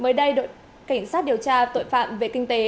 mới đây đội cảnh sát điều tra tội phạm về kinh tế